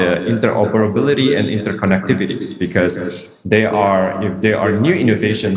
tentang interoperabilitas dan interkonektivitas karena jika ada inovasi baru